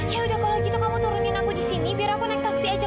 ya udah kalau gitu kamu turunin aku disini biar aku naik taksi aja